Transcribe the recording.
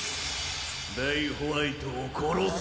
レイ＝ホワイトを殺せ！